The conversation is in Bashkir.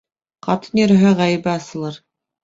Ҡатын йөрөһә, ғәйебе асылыр.